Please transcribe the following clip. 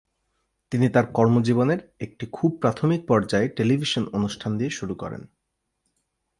তিনি তার কর্মজীবনের একটি খুব প্রাথমিক পর্যায়ে টেলিভিশন অনুষ্ঠান দিয়ে শুরু করেন।